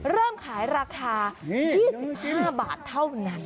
เริ่มขายราคา๒๕บาทเท่านั้น